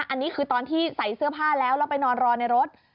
อันนี้คือตอนที่ใส่เสื้อผ้าแล้วแล้วไปนอนรอในรถ